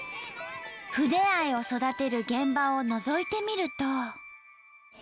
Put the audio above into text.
筆愛を育てる現場をのぞいてみると。